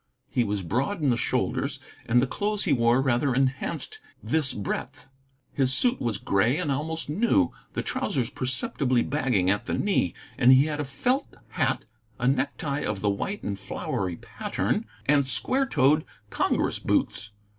He was broad in the shoulders, and the clothes he wore rather enhanced this breadth. His suit was gray and almost new, the trousers perceptibly bagging at the knee, and he had a felt hat, a necktie of the white and flowery pattern, and square toed "Congress" boots.